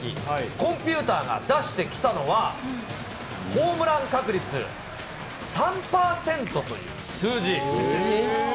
コンピューターが出してきたのは、ホームラン確率３％という数字。